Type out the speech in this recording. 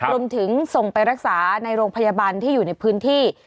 ส่งไปรักษาในโรงพยาบาลที่อยู่ในพื้นที่